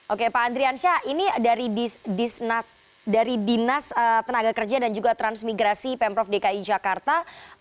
oke pak andriansyah ini dari dinas tenaga kerja dan juga transmigrasi pemprov dki jakarta